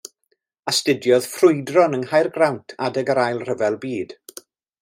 Astudiodd ffrwydron yng Nghaergrawnt adeg yr Ail Ryfel Byd.